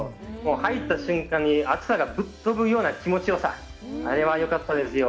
入った瞬間に暑さが吹っ飛ぶような気持ちよさ、あれはよかったですよ。